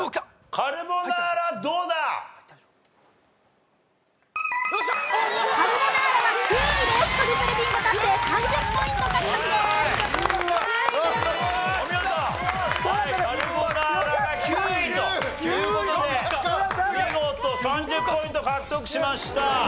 カルボナーラが９位という事で見事３０ポイント獲得しました。